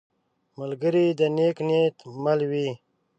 ملګری د نیک نیت مل وي